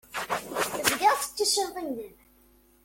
Tebdiḍ tettissineḍ imdanen.